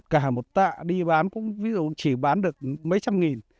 cả một tạ đi bán cũng ví dụ chỉ bán được mấy trăm nghìn